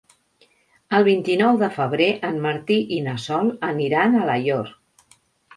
El vint-i-nou de febrer en Martí i na Sol aniran a Alaior.